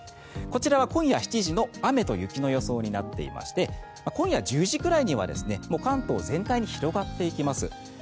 こちらは今夜７時の雨と雪の予想になっていまして今夜１０時ぐらいには関東全体に広がっていきます。